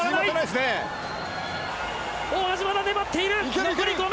大橋まだ粘っている、残り５ｍ。